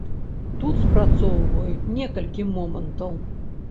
Тут спрацоўваюць некалькі момантаў.